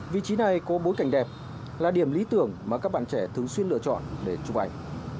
vị trí này có bối cảnh đẹp là điểm lý tưởng mà các bạn trẻ thường xuyên lựa chọn để chụp ảnh